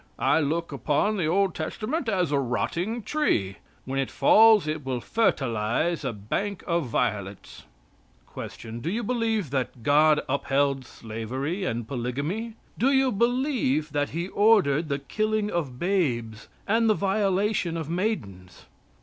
I look upon the Old Testament as a rotting tree. When it falls it will fertilize a bank of violets. Q. Do you believe that God upheld slavery and polygamy? Do you believe that He ordered the killing of babes and the violation of maidens?